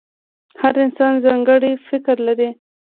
• هر انسان ځانګړی فکر لري.